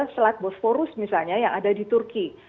selat bosporus misalnya yang ada di turki